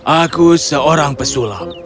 aku seorang pesulap